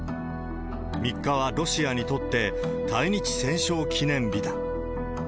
３日はロシアにとって、対日戦勝記念日だ。